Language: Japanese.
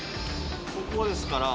ここですから。